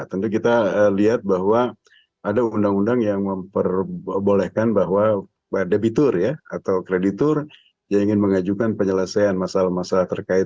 tentu kita lihat bahwa ada undang undang yang memperbolehkan bahwa debitur ya atau kreditur yang ingin mengajukan penyelesaian masalah masalah terkait